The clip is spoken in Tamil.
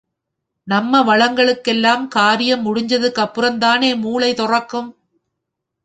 நம்மளவங்களுக்கெல்லாம் காரியம் முடிஞ்சதுக்கப்புறம்தானே மூளை தொறக்கும்.